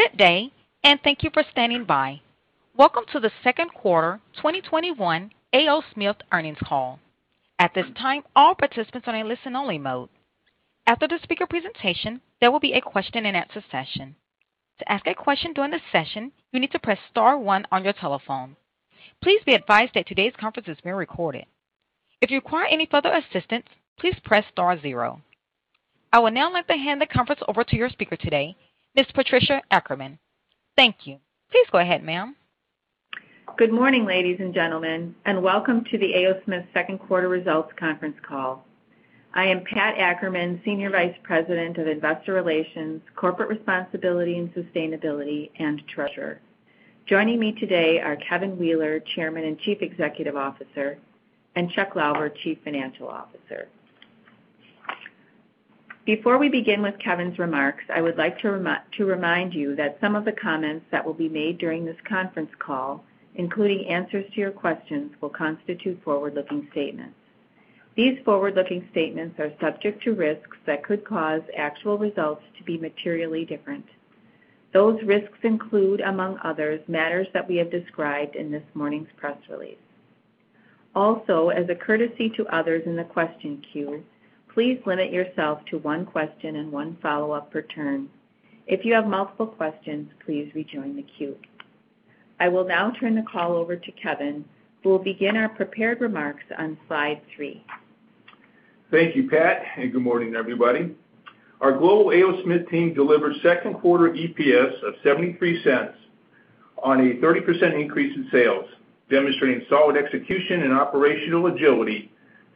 Good day and thank you for standing by. Welcome to the second quarter 2021 A. O. Smith earnings call. At this time, all participants are in a listen-only mode. After the speaker presentation, there will be a question-and-answer session. To ask a question during the session, you need to press star one on your telephone. Please be advised that today's conference is being recorded. If you require any further assistance, please press star zero. I would now like to hand the conference over to your speaker today, Ms. Patricia Ackerman. Thank you. Please go ahead, ma'am. Good morning, ladies and gentlemen, and welcome to the A. O. Smith second quarter results conference call. I am Pat Ackerman, Senior Vice President of Investor Relations, Corporate Responsibility and Sustainability, and Treasurer. Joining me today are Kevin Wheeler, Chairman and Chief Executive Officer, and Chuck Lauber, Chief Financial Officer. Before we begin with Kevin's remarks, I would like to remind you that some of the comments that will be made during this conference call, including answers to your questions, will constitute forward-looking statements. These forward-looking statements are subject to risks that could cause actual results to be materially different. Those risks include, among others, matters that we have described in this morning's press release. Also, as a courtesy to others in the question queue, please limit yourself to one question and one follow-up per turn. If you have multiple questions, please rejoin the queue. I will now turn the call over to Kevin, who will begin our prepared remarks on slide three. Thank you, Pat, and good morning, everybody. Our global A. O. Smith team delivered second quarter EPS of $0.73 on a 30% increase in sales, demonstrating solid execution and operational agility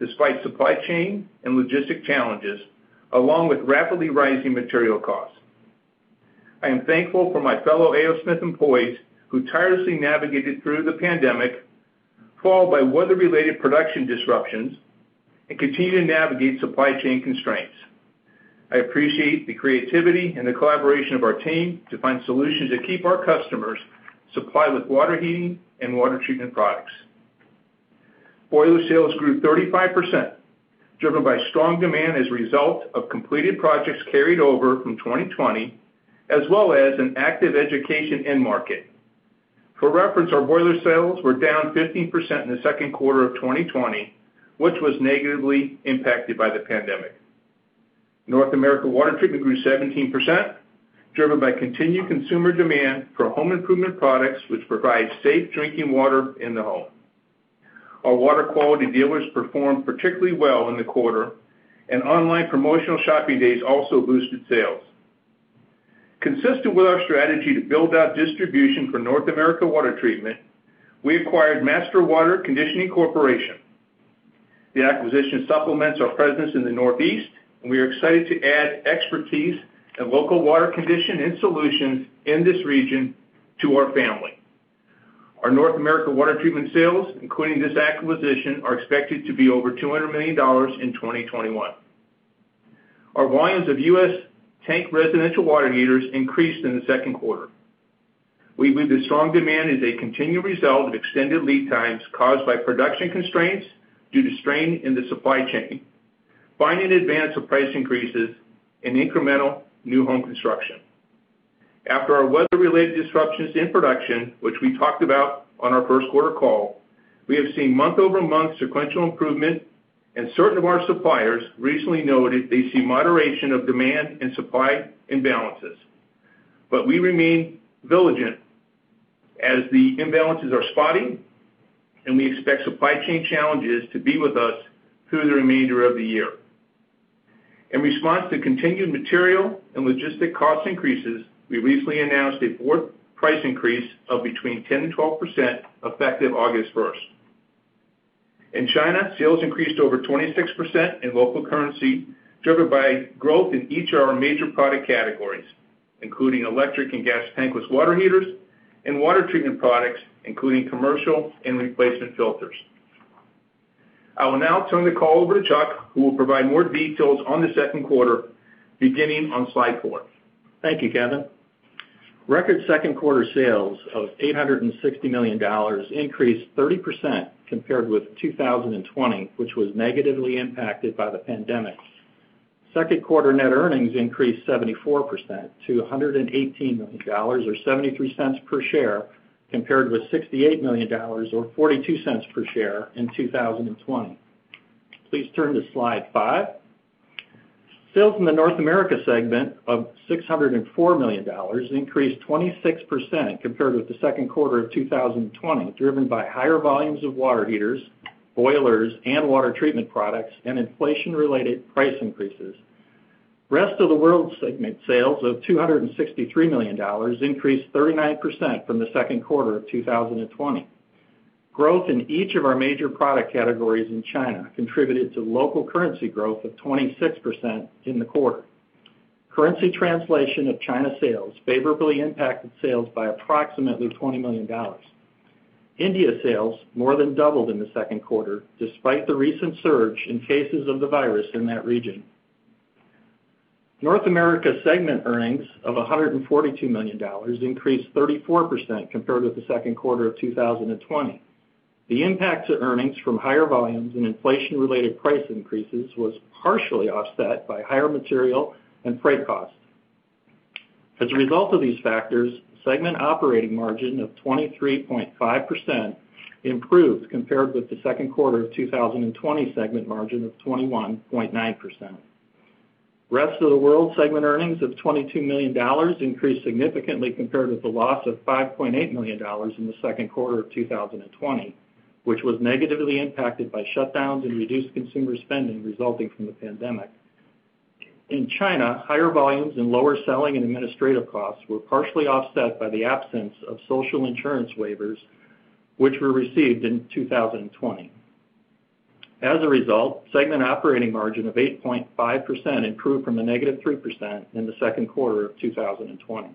despite supply chain and logistics challenges, along with rapidly rising material costs. I am thankful for my fellow A. O. Smith employees who tirelessly navigated through the pandemic, followed by weather-related production disruptions, and continue to navigate supply chain constraints. I appreciate the creativity and the collaboration of our team to find solutions that keep our customers supplied with water heaters and water treatment products. Boilers sales grew 35%, driven by strong demand as a result of completed projects carried over from 2020, as well as an active education end market. For reference, our boilers sales were down 15% in the second quarter of 2020, which was negatively impacted by the pandemic. North America water treatment grew 17%, driven by continued consumer demand for home improvement products, which provide safe drinking water in the home. Our water quality dealers performed particularly well in the quarter, and online promotional shopping days also boosted sales. Consistent with our strategy to build out distribution for North America water treatment, we acquired Master Water Conditioning Corporation. The acquisition supplements our presence in the Northeast, and we are excited to add expertise and local water conditioning solutions in this region to our family. Our North America water treatment sales, including this acquisition, are expected to be over $200 million in 2021. Our volumes of U.S. tank residential water heaters increased in the second quarter. We believe the strong demand is a continued result of extended lead times caused by production constraints due to strain in the supply chain, buying in advance of price increases, and incremental new home construction. After our weather-related disruptions in production, which we talked about on our first quarter call, we have seen month-over-month sequential improvement, and certain of our suppliers recently noted they see moderation of demand and supply imbalances. We remain vigilant as the imbalances are spotty, and we expect supply chain challenges to be with us through the remainder of the year. In response to continued material and logistic cost increases, we recently announced a fourth price increase of between 10% and 12%, effective August 1st. In China, sales increased over 26% in local currency, driven by growth in each of our major product categories, including electric and gas tankless water heaters and water treatment products, including commercial and replacement filters. I will now turn the call over to Chuck, who will provide more details on the second quarter, beginning on slide four. Thank you, Kevin. Record second quarter sales of $860 million increased 30% compared with 2020, which was negatively impacted by the pandemic. Second quarter net earnings increased 74% to $118 million, or $0.73 per share, compared with $68 million or $0.42 per share in 2020. Please turn to slide five. Sales in the North America segment of $604 million increased 26% compared with the second quarter of 2020, driven by higher volumes of water heaters, boilers, and water treatment products, and inflation-related price increases. Rest of the World segment sales of $263 million increased 39% from the second quarter of 2020. Growth in each of our major product categories in China contributed to local currency growth of 26% in the quarter. Currency translation of China sales favorably impacted sales by approximately $20 million. India sales more than doubled in the second quarter, despite the recent surge in cases of COVID-19 in that region. North America segment earnings of $142 million increased 34% compared with the second quarter of 2020. The impact to earnings from higher volumes and inflation-related price increases was partially offset by higher material and freight costs. As a result of these factors, segment operating margin of 23.5% improved compared with the second quarter of 2020 segment margin of 21.9%. Rest of the World segment earnings of $22 million increased significantly compared with the loss of $5.8 million in the second quarter of 2020, which was negatively impacted by shutdowns and reduced consumer spending resulting from COVID-19. In China, higher volumes and lower selling and administrative costs were partially offset by the absence of social insurance waivers, which were received in 2020. As a result, segment operating margin of 8.5% improved from the -3% in the second quarter of 2020.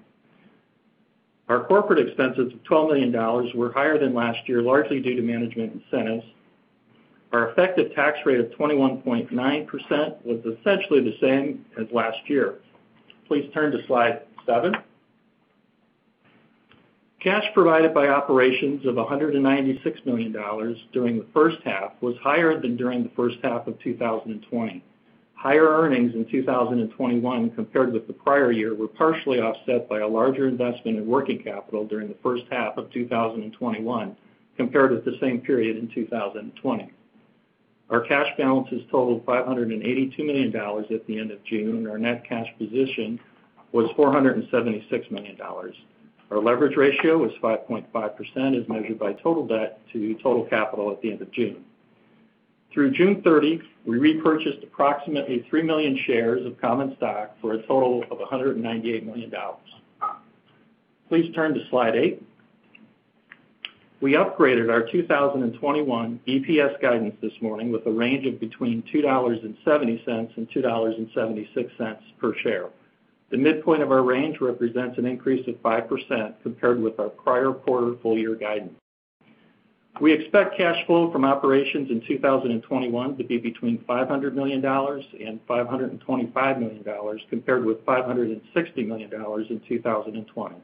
Our corporate expenses of $12 million were higher than last year, largely due to management incentives. Our effective tax rate of 21.9% was essentially the same as last year. Please turn to slide seven. Cash provided by operations of $196 million during the first half was higher than during the first half of 2020. Higher earnings in 2021 compared with the prior year were partially offset by a larger investment in working capital during the first half of 2021 compared with the same period in 2020. Our cash balances totaled $582 million at the end of June. Our net cash position was $476 million. Our leverage ratio was 5.5%, as measured by total debt to total capital at the end of June. Through June 30, we repurchased approximately 3 million shares of common stock for a total of $198 million. Please turn to slide eight. We upgraded our 2021 EPS guidance this morning with a range of between $2.70 and $2.76 per share. The midpoint of our range represents an increase of 5% compared with our prior quarter full year guidance. We expect cash flow from operations in 2021 to be between $500 million and $525 million, compared with $560 million in 2020.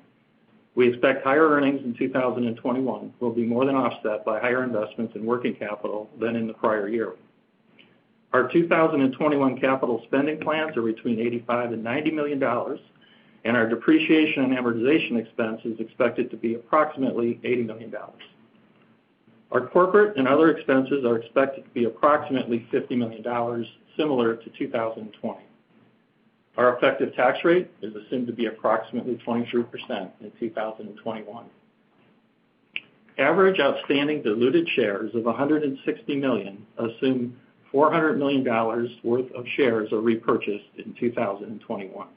We expect higher earnings in 2021 will be more than offset by higher investments in working capital than in the prior year. Our 2021 capital spending plans are between $85 million and $90 million, and our depreciation and amortization expense is expected to be approximately $80 million. Our corporate and other expenses are expected to be approximately $50 million, similar to 2020. Our effective tax rate is assumed to be approximately 23% in 2021. Average outstanding diluted shares of 160 million assume $400 million worth of shares are repurchased in 2021.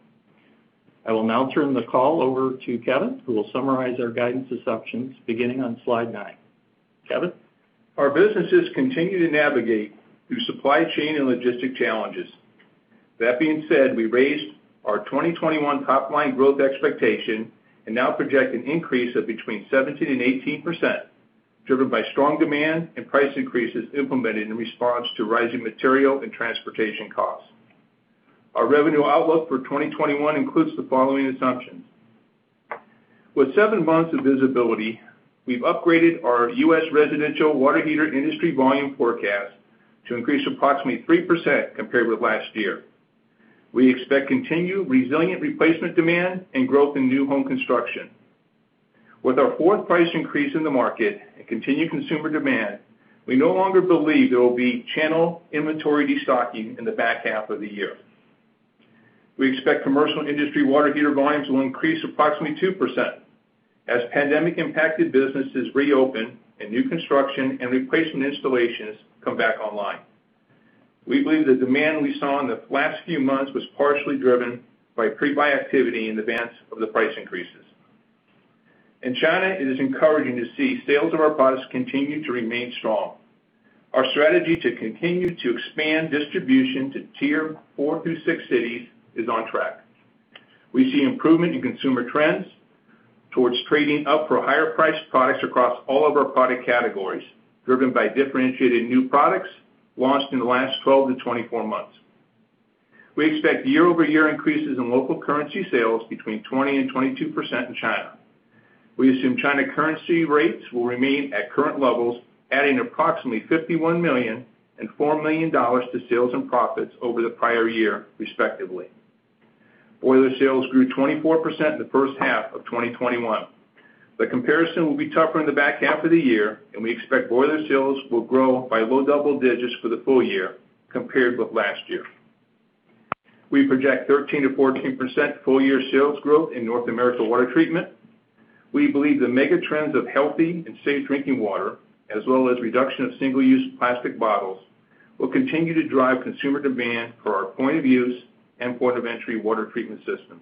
I will now turn the call over to Kevin, who will summarize our guidance assumptions beginning on slide nine. Kevin? Our businesses continue to navigate through supply chain and logistic challenges. That being said, we raised our 2021 top-line growth expectation and now project an increase of between 17% and 18%, driven by strong demand and price increases implemented in response to rising material and transportation costs. Our revenue outlook for 2021 includes the following assumptions. With seven months of visibility, we've upgraded our U.S. residential water heater industry volume forecast to increase approximately 3% compared with last year. We expect continued resilient replacement demand and growth in new home construction. With our fourth price increase in the market and continued consumer demand, we no longer believe there will be channel inventory destocking in the back half of the year. We expect commercial industry water heater volumes will increase approximately 2% as pandemic-impacted businesses reopen and new construction and replacement installations come back online. We believe the demand we saw in the last few months was partially driven by pre-buy activity in advance of the price increases. In China, it is encouraging to see sales of our products continue to remain strong. Our strategy to continue to expand distribution to Tier 4-6 cities is on track. We see improvement in consumer trends towards trading up for higher-priced products across all of our product categories, driven by differentiated new products launched in the last 12-24 months. We expect year-over-year increases in local currency sales between 20% and 22% in China. We assume China currency rates will remain at current levels, adding approximately $51 million and $4 million to sales and profits over the prior year, respectively. Boilers sales grew 24% in the first half of 2021. The comparison will be tougher in the back half of the year, we expect boilers sales will grow by low double digits for the full year compared with last year. We project 13%-14% full-year sales growth in North America water treatment. We believe the mega trends of healthy and safe drinking water, as well as reduction of single-use plastic bottles, will continue to drive consumer demand for our point-of-use and point-of-entry water treatment systems.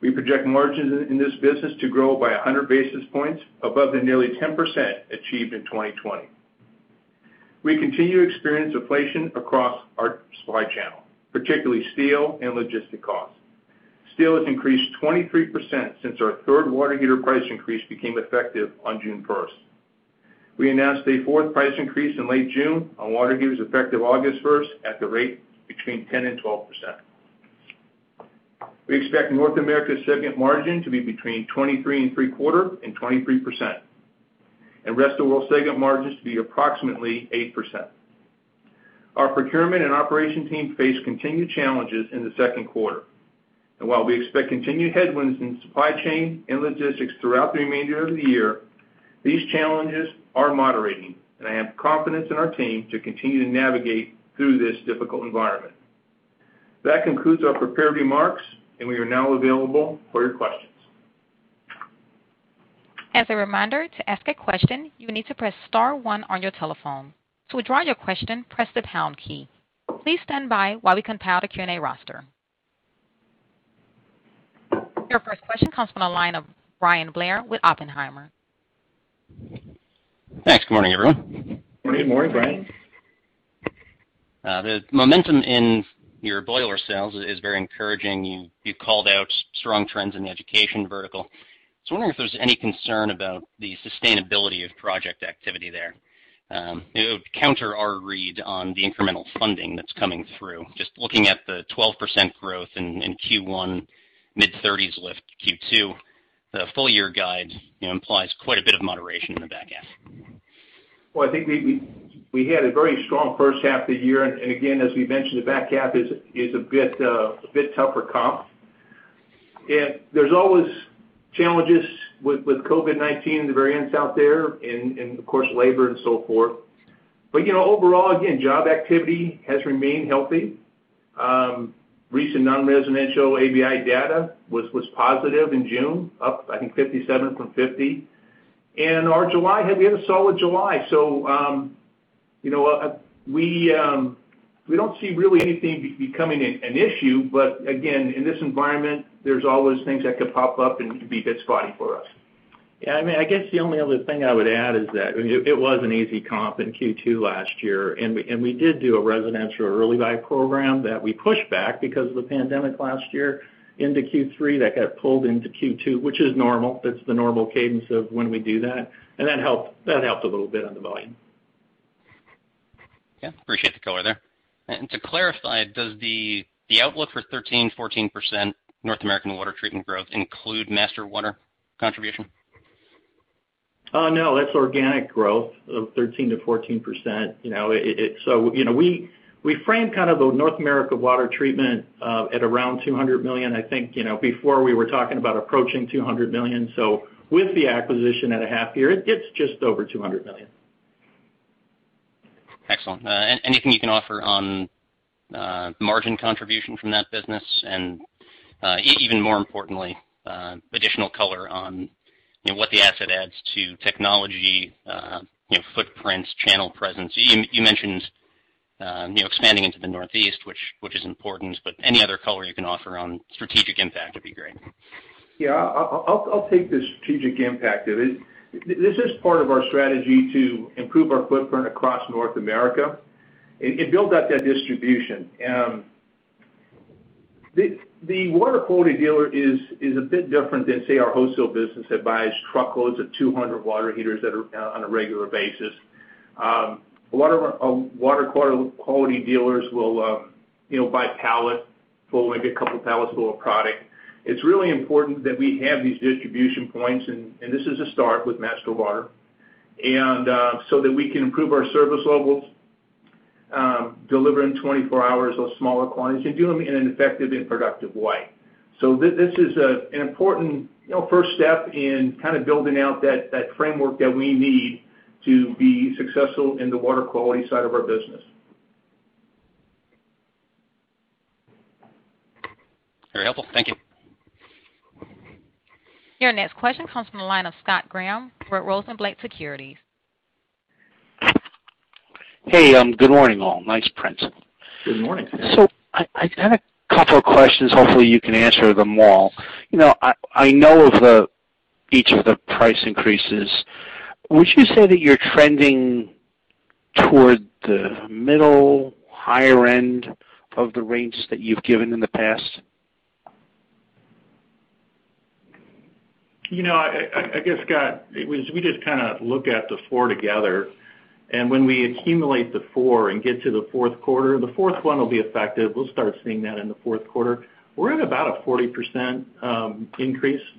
We project margins in this business to grow by 100 basis points above the nearly 10% achieved in 2020. We continue to experience inflation across our supply channel, particularly steel and logistic costs. Steel has increased 23% since our third water heater price increase became effective on June 1st. We announced a fourth price increase in late June on water heaters, effective August 1st at the rate between 10% and 12%. We expect North America segment margin to be between 23.75% and 23%, and rest of world segment margins to be approximately 8%. Our procurement and operation team faced continued challenges in the second quarter. While we expect continued headwinds in supply chain and logistics throughout the remainder of the year, these challenges are moderating, and I have confidence in our team to continue to navigate through this difficult environment. That concludes our prepared remarks, and we are now available for your questions. As a reminder, to ask a question, you need to press star one on your telephone. To withdraw your question, press the pound key. Please stand by while we compile the Q&A roster. Your first question comes from the line of Bryan Blair with Oppenheimer. Thanks. Good morning, everyone. Good morning, Bryan. The momentum in your boilers sales is very encouraging. You called out strong trends in the education vertical. I'm wondering if there's any concern about the sustainability of project activity there. It would counter our read on the incremental funding that's coming through. Just looking at the 12% growth in Q1, mid-30s lift Q2. The full year guide implies quite a bit of moderation in the back half. Well, I think we had a very strong first half of the year, again, as we mentioned, the back half is a bit tougher comp. There's always challenges with COVID-19, the variants out there, and of course, labor and so forth. Overall, again, job activity has remained healthy. Recent non-residential ABI data was positive in June, up, I think, 57 from 50. We had a solid July. We don't see really anything becoming an issue, but again, in this environment, there's always things that could pop up and could be a bit spotty for us. I guess the only other thing I would add is that it was an easy comp in Q2 last year. We did do a residential Early Buy program that we pushed back because of the pandemic last year into Q3 that got pulled into Q2, which is normal. That is the normal cadence of when we do that. That helped a little bit on the volume. Yeah, appreciate the color there. To clarify, does the outlook for 13%-14% North American Water Treatment growth include Master Water contribution? No, that's organic growth of 13%-14%. We framed kind of the North America Water Treatment at around $200 million. I think before we were talking about approaching $200 million. With the acquisition at a half year, it's just over $200 million. Excellent. Anything you can offer on margin contribution from that business and, even more importantly, additional color on what the asset adds to technology, footprints, channel presence? You mentioned expanding into the Northeast, which is important, but any other color you can offer on strategic impact would be great. Yeah. I'll take the strategic impact of it. This is part of our strategy to improve our footprint across North America and build out that distribution. The water quality dealer is a bit different than, say, our wholesale business that buys truckloads of 200 water heaters that are on a regular basis. Water quality dealers will buy pallet, maybe a couple pallets full of product. It's really important that we have these distribution points, and this is a start with Master Water, so that we can improve our service levels, deliver in 24 hours of smaller quantities and do them in an effective and productive way. This is an important first step in kind of building out that framework that we need to be successful in the water quality side of our business. Very helpful. Thank you. Your next question comes from the line of Scott Graham, Rosenblatt Securities. Hey, good morning, all. Nice print. Good morning. I got a couple of questions. Hopefully, you can answer them all. I know of each of the price increases. Would you say that you're trending toward the middle, higher end of the range that you've given in the past? I guess, Scott, we just kind of look at the four together, and when we accumulate the four and get to the fourth quarter, the fourth one will be effective. We'll start seeing that in the fourth quarter. We're at about a 40%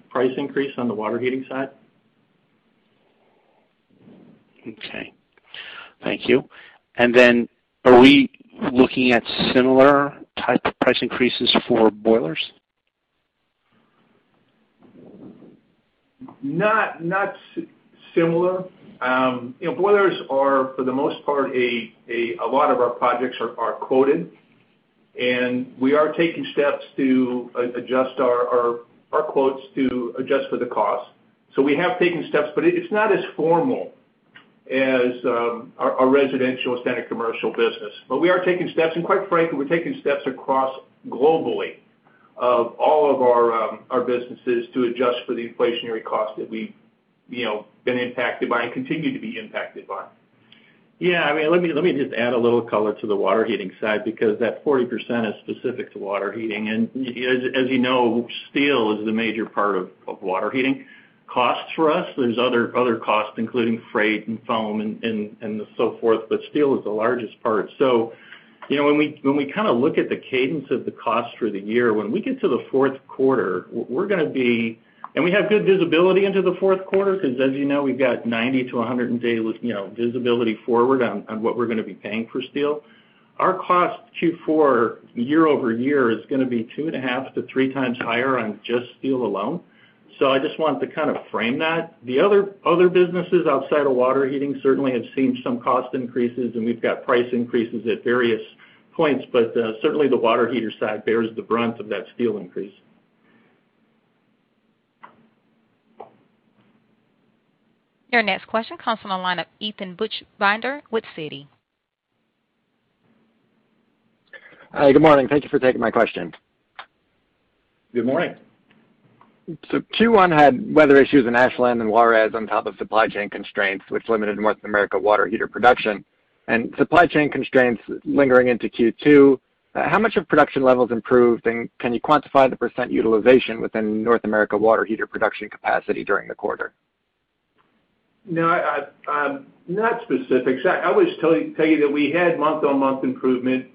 price increase on the water heating side. Okay. Thank you. Are we looking at similar type of price increases for boilers? Not similar. Boilers are, for the most part, a lot of our projects are quoted, and we are taking steps to adjust our quotes to adjust for the cost. We have taken steps, but it's not as formal as our residential, standard commercial business. We are taking steps, and quite frankly, we're taking steps across globally of all of our businesses to adjust for the inflationary cost that we've been impacted by and continue to be impacted by. Yeah. Let me just add a little color to the water heating side, because that 40% is specific to water heating. As you know, steel is the major part of water heating costs for us. There's other costs, including freight and foam and so forth, but steel is the largest part. When we look at the cadence of the cost for the year, when we get to the fourth quarter, we have good visibility into the fourth quarter because as you know, we've got 90 to 100-day visibility forward on what we're going to be paying for steel. Our cost Q4 year-over-year is going to be 2.5x to 3x higher on just steel alone. I just wanted to frame that. The other businesses outside of water heating certainly have seen some cost increases, and we've got price increases at various points, but certainly the water heater side bears the brunt of that steel increase. Your next question comes from the line of Eitan Buchbinder with Citi. Hi, good morning. Thank you for taking my question. Good morning. Q1 had weather issues in Ashland and Juarez on top of supply chain constraints, which limited North America water heater production and supply chain constraints lingering into Q2. How much have production levels improved, and can you quantify the percent utilization within North America water heater production capacity during the quarter? No, not specifics. I always tell you that we had month-on-month improvement.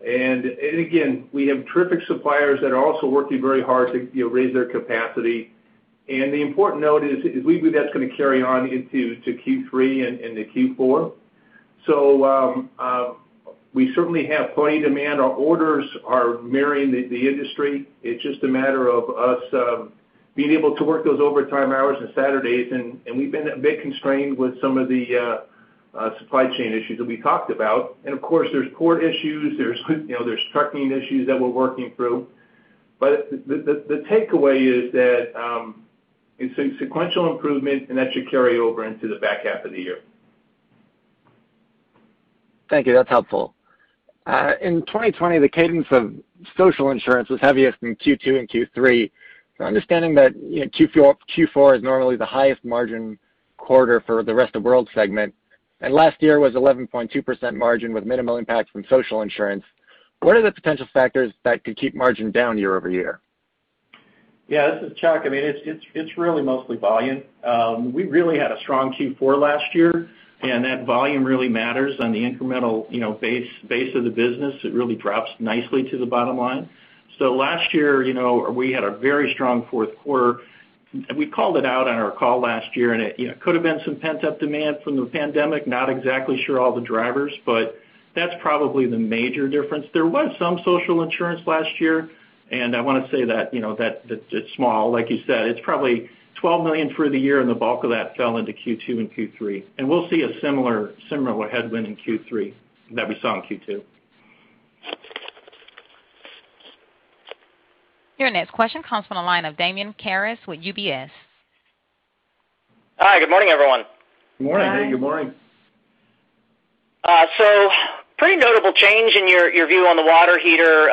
Again, we have terrific suppliers that are also working very hard to raise their capacity. The important note is, we believe that's going to carry on into Q3 and to Q4. We certainly have plenty of demand. Our orders are mirroring the industry. It's just a matter of us being able to work those overtime hours and Saturdays. We've been a bit constrained with some of the supply chain issues that we talked about. Of course, there's port issues, there's trucking issues that we're working through. The takeaway is that it's a sequential improvement. That should carry over into the back half of the year. Thank you. That's helpful. In 2020, the cadence of social insurance was heaviest in Q2 and Q3. Understanding that Q4 is normally the highest margin quarter for the rest of world segment, and last year was 11.2% margin with minimal impact from social insurance, what are the potential factors that could keep margin down year-over-year? This is Chuck. It's really mostly volume. We really had a strong Q4 last year, and that volume really matters on the incremental base of the business. It really drops nicely to the bottom line. Last year, we had a very strong fourth quarter. We called it out on our call last year, and it could have been some pent-up demand from the pandemic. Not exactly sure all the drivers, but that's probably the major difference. There was some social insurance last year, and I want to say that it's small. Like you said, it's probably $12 million for the year, and the bulk of that fell into Q2 and Q3. We'll see a similar headwind in Q3 that we saw in Q2. Your next question comes from the line of Damian Karas with UBS. Hi, good morning, everyone. Good morning. Hi. Hey. Good morning. Pretty notable change in your view on the water heater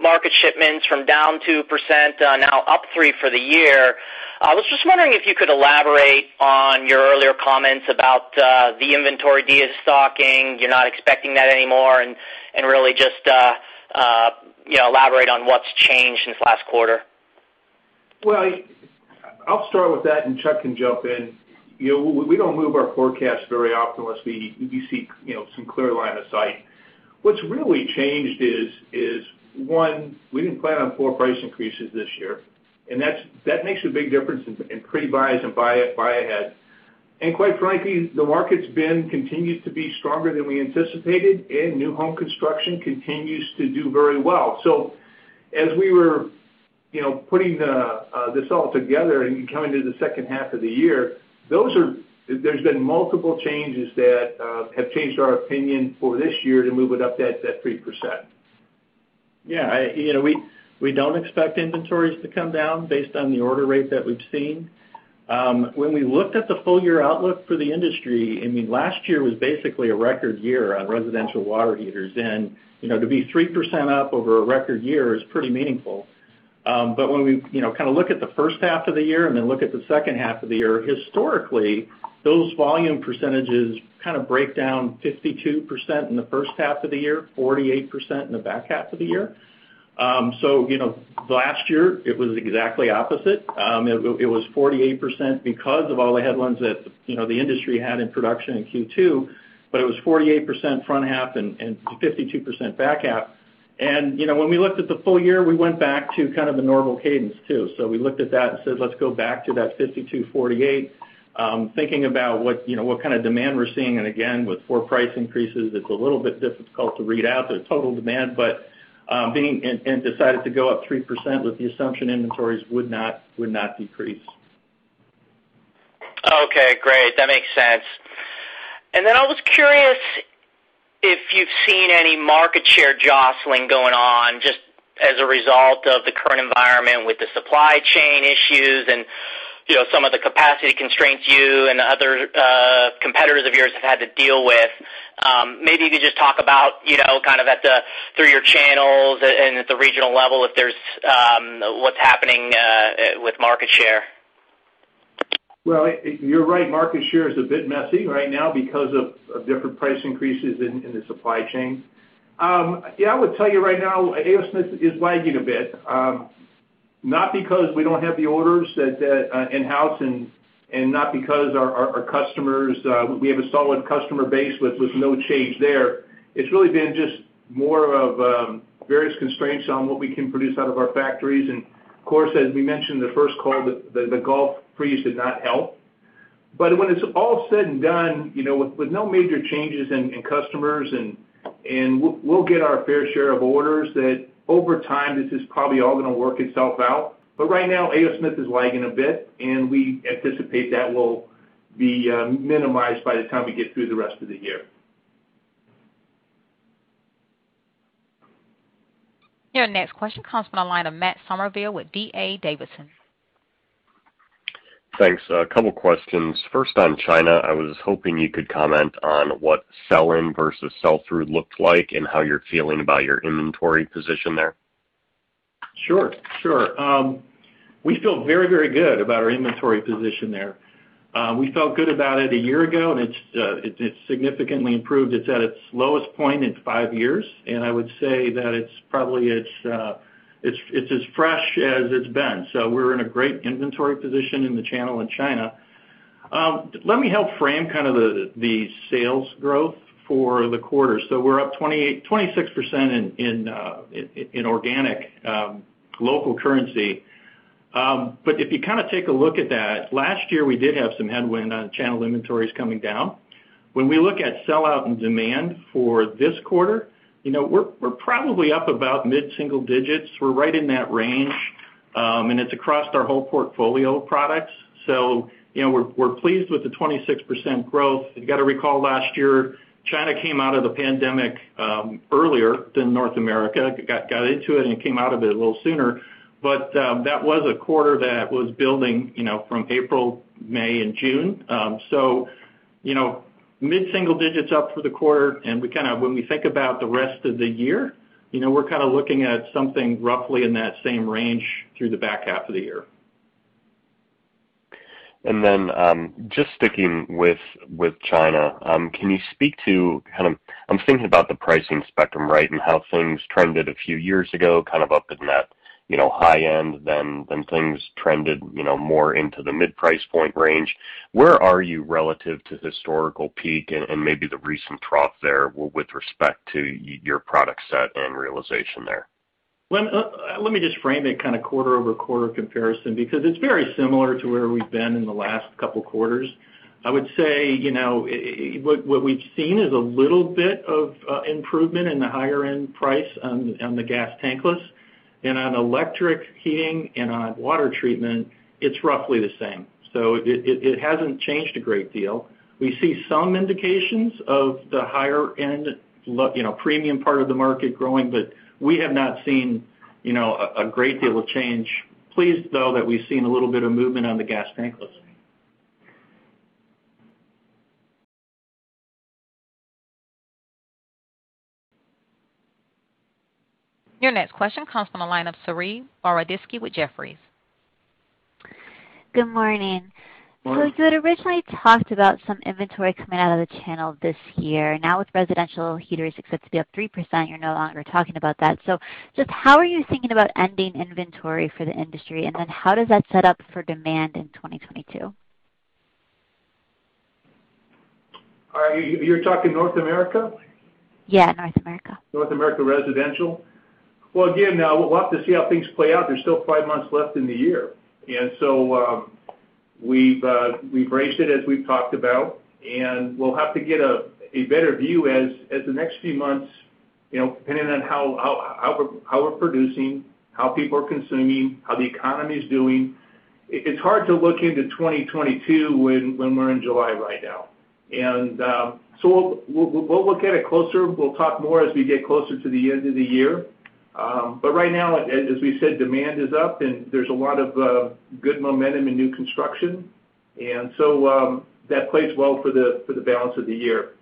market shipments from down 2% to now up 3% for the year. I was just wondering if you could elaborate on your earlier comments about the inventory destocking. You're not expecting that anymore, and really just elaborate on what's changed since last quarter? I'll start with that and Chuck can jump in. We don't move our forecast very often unless we see some clear line of sight. What's really changed is, one, we didn't plan on four price increases this year, and that makes a big difference in pre-buys and buy ahead. Quite frankly, the market's continued to be stronger than we anticipated, and new home construction continues to do very well. As we were putting this all together and coming to the second half of the year, there's been multiple changes that have changed our opinion for this year to move it up that 3%. We don't expect inventories to come down based on the order rate that we've seen. When we looked at the full-year outlook for the industry, last year was basically a record year on residential water heaters, and to be 3% up over a record year is pretty meaningful. When we look at the first half of the year and then look at the second half of the year, historically, those volume percentages break down 52% in the first half of the year, 48% in the back half of the year. Last year it was exactly opposite. It was 48% because of all the headwinds that the industry had in production in Q2, but it was 48% front half and 52% back half. When we looked at the full year, we went back to the normal cadence, too. We looked at that and said, "Let's go back to that 52/48," thinking about what kind of demand we're seeing. Again, with four price increases, it's a little bit difficult to read out the total demand and decided to go up 3% with the assumption inventories would not decrease. Okay, great. That makes sense. I was curious if you've seen any market share jostling going on just as a result of the current environment with the supply chain issues and some of the capacity constraints you and other competitors of yours have had to deal with. Maybe if you just talk about through your channels and at the regional level, what's happening with market share? Well, you're right, market share is a bit messy right now because of different price increases in the supply chain. Yeah, I would tell you right now, A.O. Smith is lagging a bit. Not because we don't have the orders in-house, not because our customers. We have a solid customer base with no change there. It's really been just more of various constraints on what we can produce out of our factories. Of course, as we mentioned in the first call, the Gulf freeze did not help. When it's all said and done, with no major changes in customers, and we'll get our fair share of orders, that over time, this is probably all going to work itself out. Smith is lagging a bit, and we anticipate that will be minimized by the time we get through the rest of the year. Your next question comes from the line of Matt Summerville with D.A. Davidson. Thanks. A couple of questions. First, on China, I was hoping you could comment on what sell-in versus sell-through looked like and how you're feeling about your inventory position there. Sure. We feel very, very good about our inventory position there. We felt good about it a year ago, and it's significantly improved. It's at its lowest point in five years, and I would say that it's as fresh as it's been. We're in a great inventory position in the channel in China. Let me help frame the sales growth for the quarter. We're up 26% in organic local currency. If you take a look at that, last year, we did have some headwind on channel inventories coming down. When we look at sell-out and demand for this quarter, we're probably up about mid-single digits. We're right in that range. It's across our whole portfolio of products. We're pleased with the 26% growth. You got to recall last year, China came out of the pandemic earlier than North America, got into it and came out of it a little sooner. That was a quarter that was building from April, May, and June. Mid-single digits up for the quarter, and when we think about the rest of the year, we're looking at something roughly in that same range through the back half of the year. Just sticking with China, can you speak to, I'm thinking about the pricing spectrum, and how things trended a few years ago, up in that high-end then things trended more into the mid-price point range. Where are you relative to historical peak and maybe the recent trough there with respect to your product set and realization there? Let me just frame it quarter-over-quarter comparison, because it's very similar to where we've been in the last couple quarters. I would say, what we've seen is a little bit of improvement in the higher-end price on the gas tankless. On electric water heaters and on water treatment, it's roughly the same. It hasn't changed a great deal. We see some indications of the higher end premium part of the market growing, but we have not seen a great deal of change. Pleased, though, that we've seen a little bit of movement on the gas tankless. Your next question comes from the line of Saree Boroditsky with Jefferies. Good morning. Morning. You had originally talked about some inventory coming out of the channel this year. Now with residential heaters expected to be up 3%, you're no longer talking about that. Just how are you thinking about ending inventory for the industry, and then how does that set up for demand in 2022? You're talking North America? Yeah, North America. North America residential? Well, again, we'll have to see how things play out. There's still five months left in the year. We've raised it, as we've talked about, and we'll have to get a better view as the next few months, depending on how we're producing, how people are consuming, how the economy's doing. It's hard to look into 2022 when we're in July right now. We'll look at it closer. We'll talk more as we get closer to the end of the year. Right now, as we said, demand is up, and there's a lot of good momentum in new construction. That plays well for the balance of the year.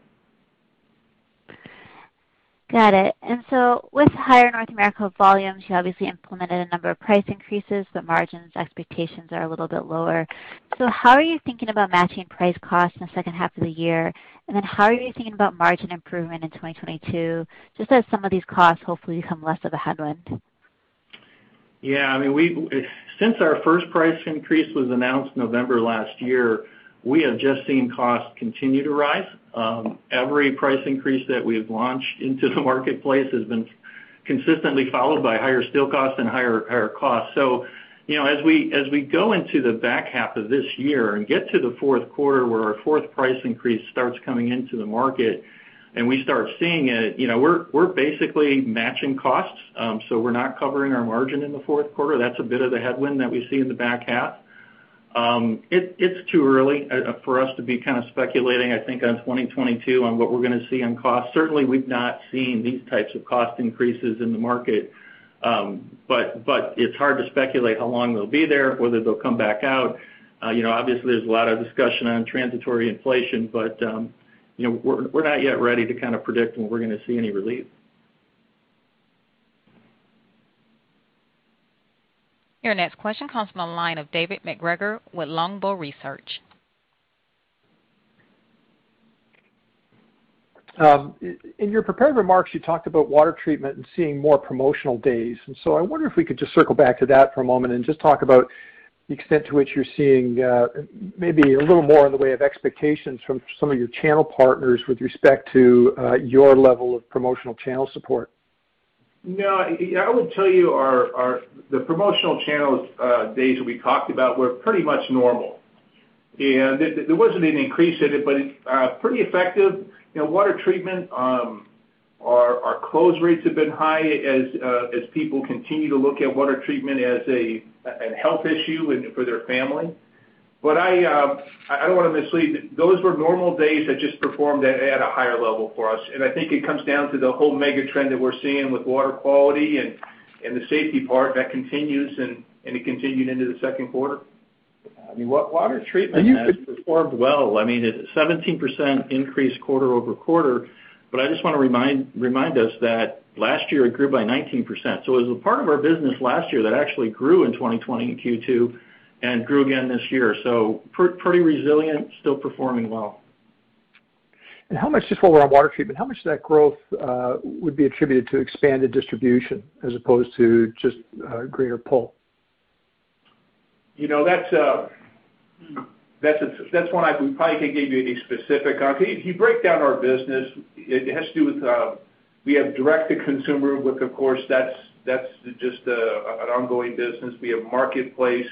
Got it. With higher North America volumes, you obviously implemented a number of price increases, but margins expectations are a little bit lower. How are you thinking about matching price cost in the second half of the year? How are you thinking about margin improvement in 2022, just as some of these costs hopefully become less of a headwind? Yeah. Since our first price increase was announced November last year, we have just seen costs continue to rise. Every price increase that we've launched into the marketplace has been consistently followed by higher steel costs and higher costs. As we go into the back half of this year and get to the fourth quarter where our fourth price increase starts coming into the market and we start seeing it, we're basically matching costs. We're not covering our margin in the fourth quarter. That's a bit of the headwind that we see in the back half. It's too early for us to be speculating, I think, in 2022, on what we're going to see on cost. Certainly, we've not seen these types of cost increases in the market. It's hard to speculate how long they'll be there, whether they'll come back out. Obviously, there's a lot of discussion on transitory inflation, but we're not yet ready to predict when we're going to see any relief. Your next question comes from the line of David MacGregor with Longbow Research. In your prepared remarks, you talked about water treatment and seeing more promotional days. I wonder if we could just circle back to that for a moment and just talk about the extent to which you're seeing maybe a little more in the way of expectations from some of your channel partners with respect to your level of promotional channel support. I would tell you the promotional channels days that we talked about were pretty much normal, and there wasn't an increase in it, but it's pretty effective. Water treatment, our close rates have been high as people continue to look at water treatment as a health issue for their family. I don't want to mislead, those were normal days that just performed at a higher level for us, and I think it comes down to the whole mega trend that we're seeing with water quality and the safety part that continues, and it continued into the second quarter. Water treatment has performed well. I mean, 17% increase quarter-over-quarter, but I just want to remind us that last year it grew by 19%. It was a part of our business last year that actually grew in 2020, in Q2, and grew again this year. It was pretty resilient, still performing well. Just while we're on water treatment, how much of that growth would be attributed to expanded distribution as opposed to just greater pull? That's one we probably can't give you any specific on. If you break down our business, it has to do with, we have direct-to-consumer, which of course, that's just an ongoing business. We have marketplace.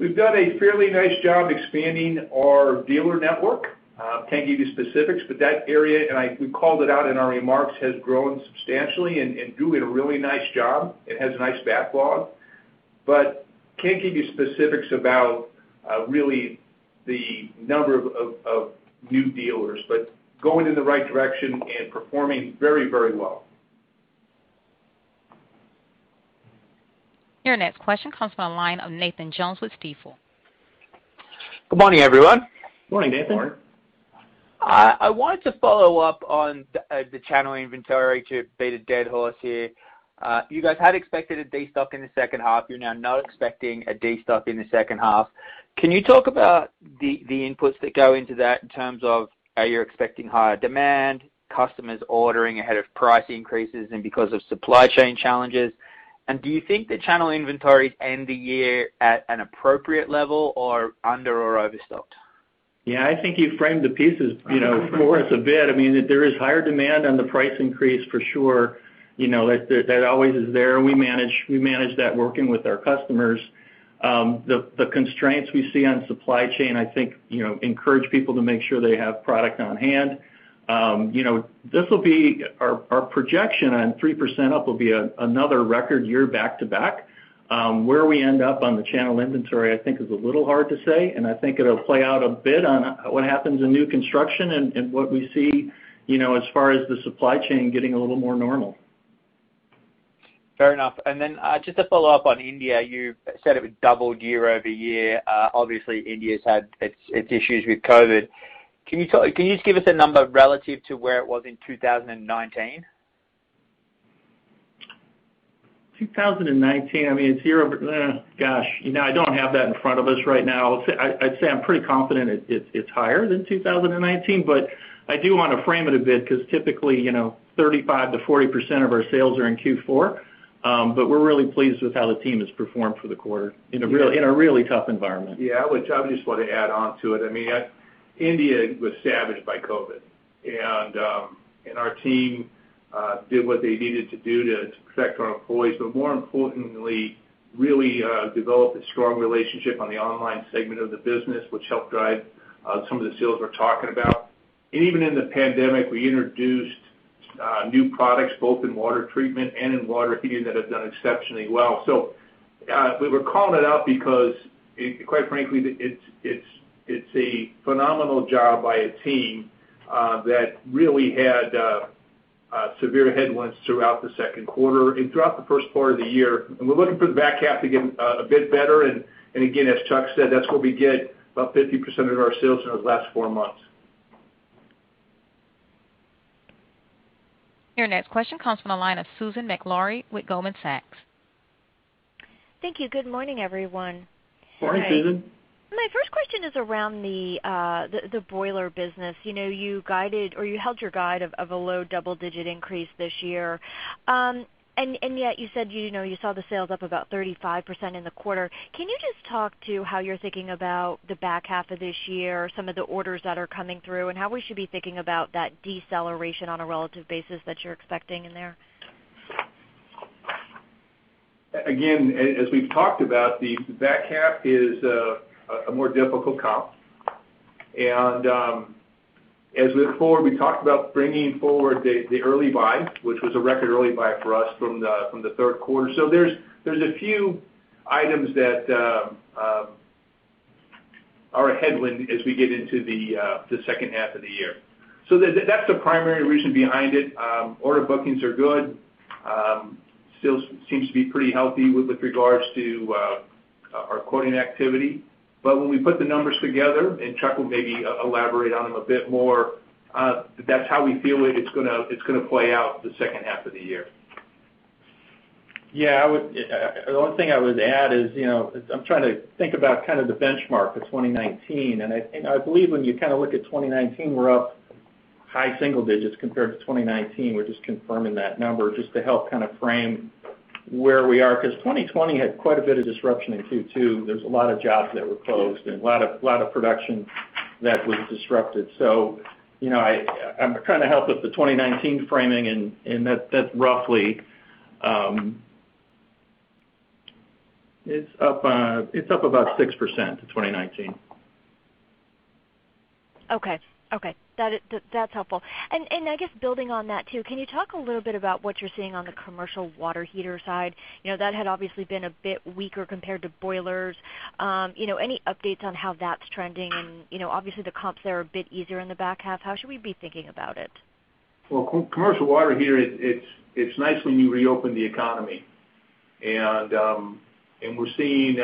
We've done a fairly nice job expanding our dealer network. That area, and we called it out in our remarks, has grown substantially and doing a really nice job. It has a nice backlog. Can't give you specifics about really the number of new dealers. Going in the right direction and performing very, very well. Your next question comes from the line of Nathan Jones with Stifel. Good morning, everyone. Morning, Nathan. Morning. I wanted to follow up on the channel inventory to beat a dead horse here. You guys had expected a destock in the second half. You're now not expecting a destock in the second half. Can you talk about the inputs that go into that in terms of are you expecting higher demand, customers ordering ahead of price increases and because of supply chain challenges? Do you think the channel inventories end the year at an appropriate level or under or overstocked? I think you framed the pieces for us a bit. I mean, there is higher demand on the price increase for sure. That always is there, and we manage that working with our customers. The constraints we see on supply chain, I think, encourage people to make sure they have product on hand. Our projection on 3% up will be another record year back-to-back. Where we end up on the channel inventory I think is a little hard to say, and I think it'll play out a bit on what happens in new construction and what we see as far as the supply chain getting a little more normal. Fair enough. Then just to follow up on India, you said it would double year-over-year. Obviously, India's had its issues with COVID-19. Can you just give us a number relative to where it was in 2019? 2019, gosh, I don't have that in front of us right now. I'd say I'm pretty confident it's higher than 2019. I do want to frame it a bit because typically, 35%-40% of our sales are in Q4. We're really pleased with how the team has performed for the quarter in a really tough environment. Yeah. I just want to add on to it. India was ravaged by COVID. Our team did what they needed to do to protect our employees, but more importantly, really develop a strong relationship on the online segment of the business, which helped drive some of the sales we're talking about. Even in the pandemic, we introduced new products both in water treatment and in water heating that have done exceptionally well. We were calling it out because quite frankly, it's a phenomenal job by a team that really had severe headwinds throughout the second quarter and throughout the first part of the year. We're looking for the back half to get a bit better. Again, as Chuck said, that's where we get about 50% of our sales in those last four months. Your next question comes from the line of Susan Maklari with Goldman Sachs. Thank you. Good morning, everyone. Morning, Susan. My first question is around the boilers business. You held your guide of a low double-digit increase this year. Yet you said you saw the sales up about 35% in the quarter. Can you just talk to how you're thinking about the back half of this year, some of the orders that are coming through, and how we should be thinking about that deceleration on a relative basis that you're expecting in there? As we've talked about, the back half is a more difficult comp. As we look forward, we talked about bringing forward the Early Buy, which was a record Early Buy for us from the third quarter. There's a few items that are a headwind as we get into the second half of the year. That's the primary reason behind it. Order bookings are good. Sales seem to be pretty healthy with regard to our quoting activity. When we put the numbers together, and Chuck will maybe elaborate on them a bit more, that's how we feel it's going to play out the second half of the year. Yeah. The only thing I would add is, I'm trying to think about the benchmark for 2019, and I believe when you look at 2019, we're up high single digits compared to 2019. We're just confirming that number just to help frame where we are. 2020 had quite a bit of disruption in Q2. There was a lot of jobs that were closed and a lot of production that was disrupted. I'm trying to help with the 2019 framing, and that's roughly. It's up about 6% to 2019. Okay. That's helpful. I guess, building on that too, can you talk a little bit about what you're seeing on the commercial water heater side? That had obviously been a bit weaker compared to boilers. Any updates on how that's trending? Obviously, the comps there are a bit easier in the back half. How should we be thinking about it? Commercial water heater, it's nice when you reopen the economy. We're seeing,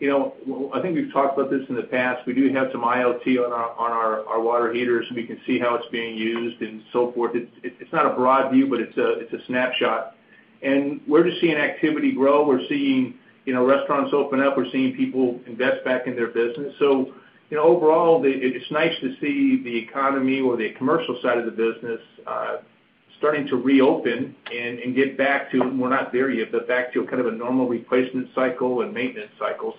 I think we've talked about this in the past. We do have some IoT on our water heaters, and we can see how it's being used, and so forth. It's not a broad view, but it's a snapshot. We're just seeing activity grow. We're seeing restaurants open up. We're seeing people invest back in their business. Overall, it's nice to see the economy or the commercial side of the business starting to reopen and get back to, we're not there yet, but back to a normal replacement cycle and maintenance cycle.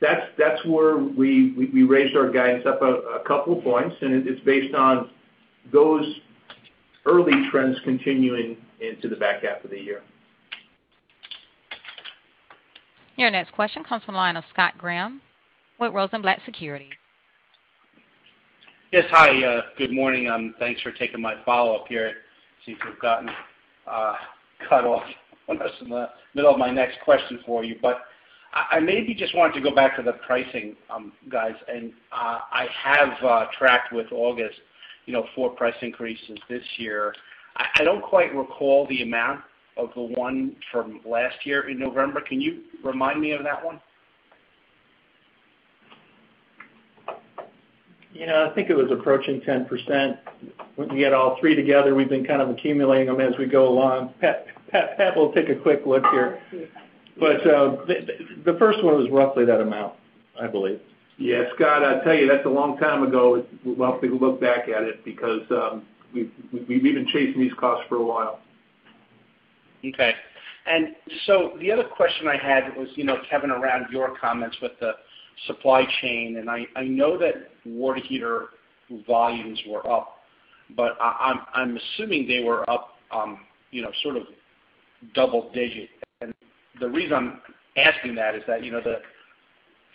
That's where we raised our guidance up a couple of points, and it's based on those early trends continuing into the back half of the year. Your next question comes from the line of Scott Graham with Rosenblatt Securities. Yes. Hi, good morning. Thanks for taking my follow-up here. Seems we've gotten cut off almost in the middle of my next question for you. I maybe just wanted to go back to the pricing, guys. I have tracked with all those four price increases this year. I don't quite recall the amount of the one from last year in November. Can you remind me of that one? Yeah. I think it was approaching 10%. When you get all three together, we've been accumulating them as we go along. Pat will take a quick look here. I'll see if I- The first one was roughly that amount, I believe. Yeah. Scott, I tell you, that's a long time ago. We'll have to look back at it because we've been chasing these costs for a while. Okay. The other question I had was, Kevin, around your comments with the supply chain, and I know that water heater volumes were up, but I'm assuming they were up double-digit. The reason I'm asking that is that, the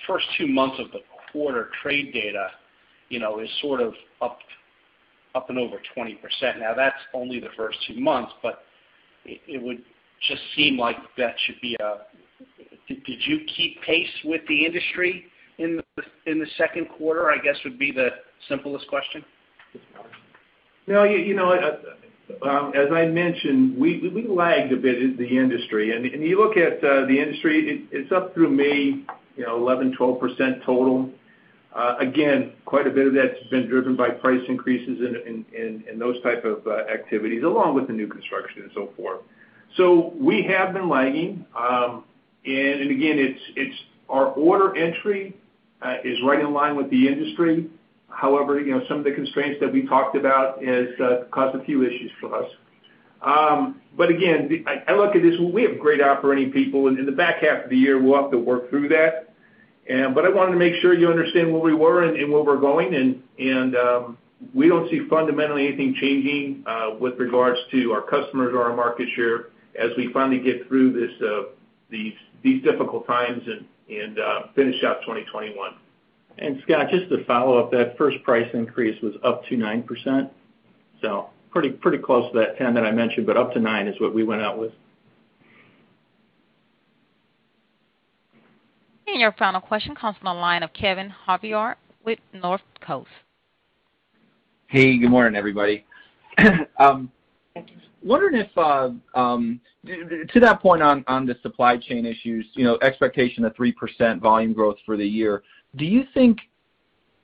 first two months of the quarter trade data is up and over 20%. That's only the first two months, but it would just seem like that should be. Did you keep pace with the industry in the second quarter, I guess, would be the simplest question? No. As I mentioned, we lagged a bit in the industry. You look at the industry, it's up through May 11, 12% total. Quite a bit of that's been driven by price increases and those types of activities, along with the new construction and so forth. We have been lagging. Again, our order entry is right in line with the industry. However, some of the constraints that we talked about has caused a few issues for us. Again, I look at this, we have great operating people, and in the back half of the year, we'll have to work through that. I wanted to make sure you understand where we were and where we're going. We don't see fundamentally anything changing with regards to our customers or our market share as we finally get through these difficult times and finish out 2021. Scott, just to follow up, that first price increase was up to 9%. Pretty close to that 10% that I mentioned, but up to 9% is what we went out with. Your final question comes from the line of Kevin Javier with NorthCoast. Hey, good morning, everybody. Wondering if, to that point on the supply chain issues, expectation of 3% volume growth for the year, do you think,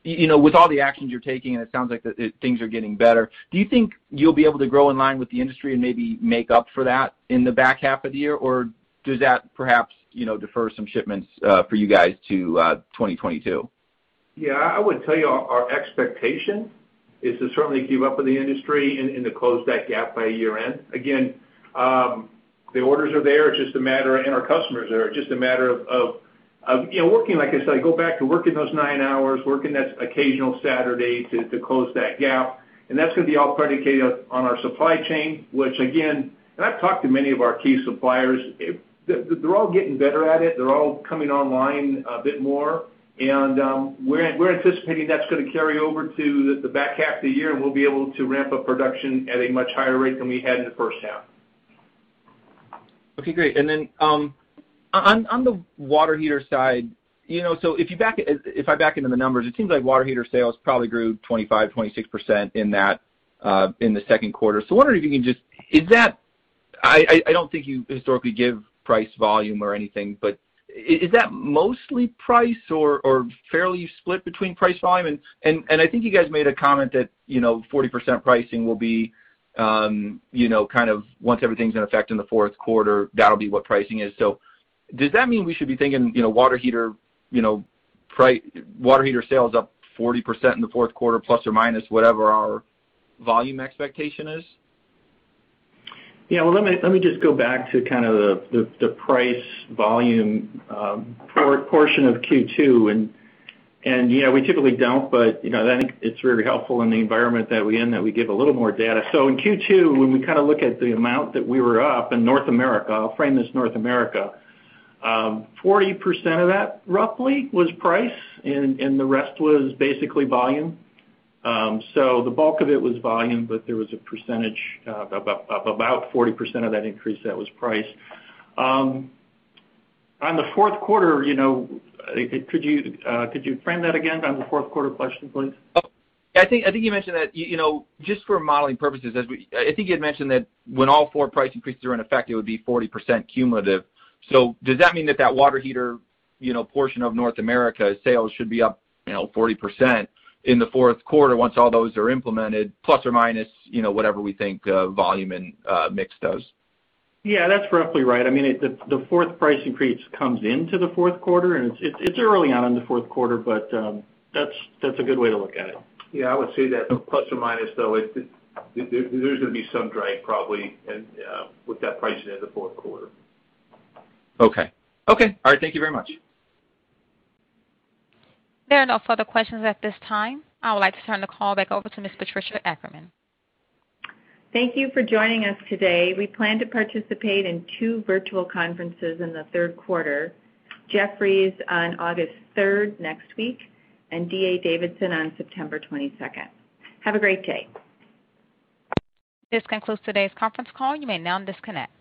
with all the actions you're taking, and it sounds like things are getting better, do you think you'll be able to grow in line with the industry and maybe make up for that in the back half of the year? Or does that perhaps defer some shipments for you guys to 2022? I would tell you our expectation is to certainly keep up with the industry and to close that gap by year-end. Again, the orders are there, and our customers are, it's just a matter of working, like I said, go back to working those nine hours, working that occasional Saturday to close that gap. That's going to be all predicated on our supply chain, which again, I've talked to many of our key suppliers. They're all getting better at it. They're all coming online a bit more. We're anticipating that's going to carry over to the back half of the year, and we'll be able to ramp up production at a much higher rate than we had in the first half. Okay, great. On the water heater side, if I back into the numbers, it seems like water heater sales probably grew 25%-26% in the second quarter. I wonder if you can I don't think you historically give price volume or anything, but is that mostly price or fairly split between price volume? I think you guys made a comment that 40% pricing will be, once everything's in effect in the fourth quarter, that'll be what pricing is. Does that mean we should be thinking water heater sales up 40% in the fourth quarter, plus or minus whatever our volume expectation is? Yeah. Let me just go back to the price volume portion of Q2, and yeah, we typically don't, but I think it's very helpful in the environment that we in, that we give a little more data. In Q2, when we look at the amount that we were up in North America, I'll frame this North America, 40% of that roughly was price, and the rest was basically volume. The bulk of it was volume, but there was a percentage of about 40% of that increase that was price. On the fourth quarter, could you frame that again on the fourth quarter question, please? I think you had mentioned that when all four price increases are in effect, it would be 40% cumulative. Does that mean that that water heater portion of North America sales should be up 40% in the fourth quarter once all those are implemented, plus or minus whatever we think volume and mix does? Yeah, that's roughly right. The fourth price increase comes into the fourth quarter, and it's early on in the fourth quarter, but that's a good way to look at it. Yeah, I would say that plus or minus, though, there's going to be some drag probably with that pricing in the fourth quarter. Okay. All right. Thank you very much. There are no further questions at this time. I would like to turn the call back over to Ms. Patricia Ackerman. Thank you for joining us today. We plan to participate in two virtual conferences in the third quarter, Jefferies on August 3rd, next week, and D.A. Davidson on September 22nd. Have a great day. This concludes today's conference call. You may now disconnect.